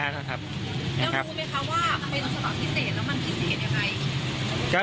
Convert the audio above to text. แล้วรู้ไหมคะว่ามันเป็นลักษณะพิเศษแล้วมันพิเศษยังไง